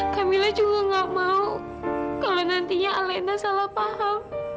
camilla juga gak mau kalau nantinya alina salah paham